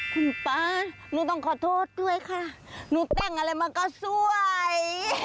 คุณป๊าหนูต้องขอโทษด้วยค่ะหนูแต่งอะไรมาก็สวย